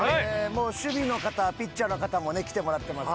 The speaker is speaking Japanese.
守備の方ピッチャーの方もね来てもらってます。